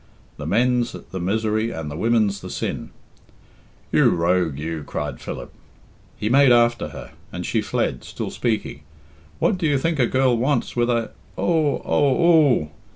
The men's the misery and the women's the sin " "You rogue, you!" cried Philip. He made after her, and she fled, still speaking, "What do you think a girl wants with a Oh! Oh! Oo!"